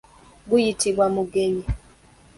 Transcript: Guyitibwa mugenyi.